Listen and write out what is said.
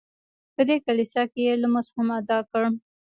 په دې کلیسا کې یې لمونځ هم ادا کړ.